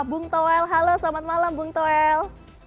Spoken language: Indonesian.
bung toel halo selamat malam bung toel